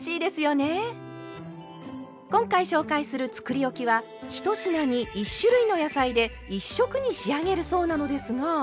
今回紹介するつくりおきは１品に１種類の野菜で１色に仕上げるそうなのですが。